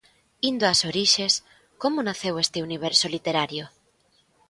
Indo ás orixes, como naceu este universo literario?